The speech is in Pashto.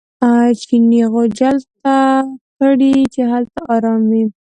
چیني غوجل ته کړئ چې هلته ارام وي.